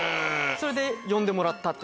それで呼んでもらった。